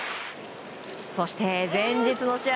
そして、前日の試合